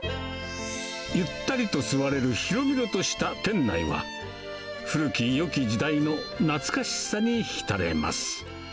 ゆったりと座れる広々とした店内は、古きよき時代の懐かしさにひたれます。